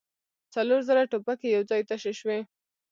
څلور زره ټوپکې يو ځای تشې شوې.